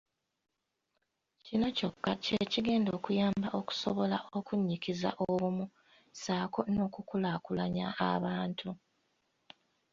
Kino kyokka kye kigenda okuyamba okusobola okunnyikiza obumu ssaako n’okukulaakulanya abantu.